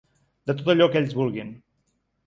De tot allò que ells vulguin.